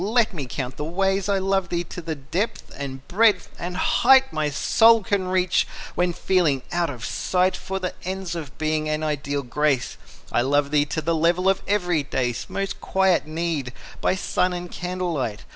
Let me count the ways. I love thee to the depth and breadth and height My soul can reach, when feeling out of sight For the ends of Being and ideal Grace. I love thee to the level of everyday's Most quiet need, by sun and candlelight.